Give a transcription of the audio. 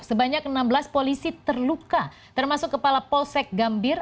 sebanyak enam belas polisi terluka termasuk kepala polsek gambir